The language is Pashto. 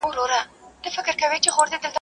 کابل منتر وهلی.